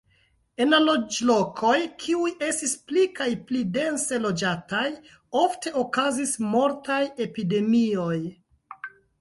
En la loĝlokoj, kiuj estis pli kaj pli dense loĝataj, ofte okazis mortaj epidemioj.